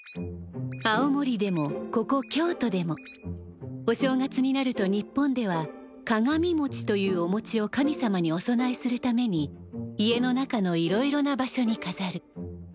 青森でもここ京都でもお正月になると日本では鏡もちというおもちを神様にお供えするために家の中のいろいろな場所にかざる。